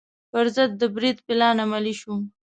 پر ضد د برید پلان عملي شو.